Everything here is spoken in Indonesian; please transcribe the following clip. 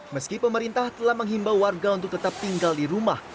meski pemerintah telah menghimbau warga untuk tetap tinggal di rumah